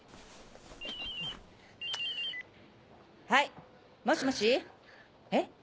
はいもしもし？え？